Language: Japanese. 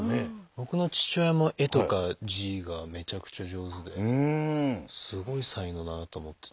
僕の父親も絵とか字がめちゃくちゃ上手ですごい才能だなと思ってて。